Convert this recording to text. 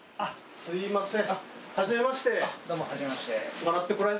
すいません。